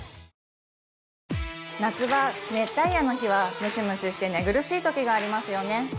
夏場熱帯夜の日はムシムシして寝苦しいときがありますよね